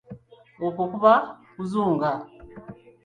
Okwo kuba kuzunga.